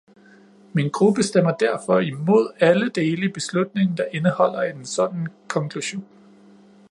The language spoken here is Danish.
Min gruppe stemmer derfor imod alle dele i beslutningen, der indeholder en sådan konklusion.